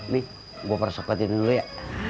nih gue persopetin dulu ya